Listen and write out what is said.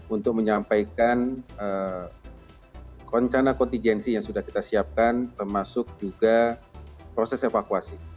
untuk menyampaikan rencana kontijensi yang sudah kita siapkan termasuk juga proses evakuasi